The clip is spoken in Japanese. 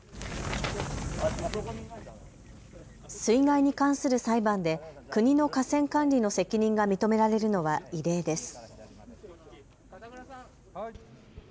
水害に関する裁判で国の河川管理の責任が認められるのは異例です。